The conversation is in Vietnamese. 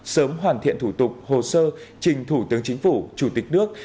sớm hoàn thiện thủ tục hồ sơ trình thủ tướng chính phủ chủ tịch nước